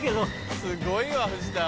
すごいわ藤田は。